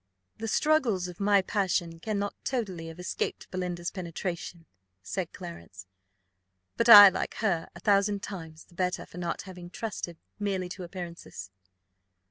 "The struggles of my passion cannot totally have escaped Belinda's penetration," said Clarence; "but I like her a thousand times the better for not having trusted merely to appearances.